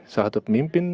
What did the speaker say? salah satu pemimpin